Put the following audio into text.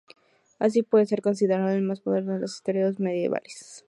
Así, puede ser considerado el más moderno de los historiadores medievales.